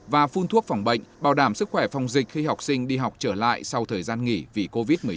và phun thuốc phòng bệnh bảo đảm sức khỏe phòng dịch khi học sinh đi học trở lại sau thời gian nghỉ vì covid một mươi chín